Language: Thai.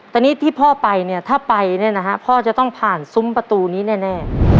แต่นี่ที่พ่อไปเนี่ยถ้าไปเนี่ยนะฮะพ่อจะต้องผ่านซุ้มประตูนี้แน่